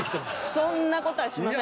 そんな事はしません。